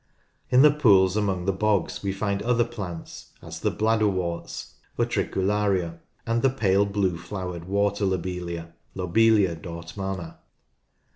In the pools among the bogs we find other plants as the bladderworts (Utricularia) and the pale blue flowered water lobelia (Lobelia dortmannd).